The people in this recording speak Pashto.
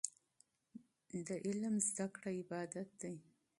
د علم زده کړه عبادت دی.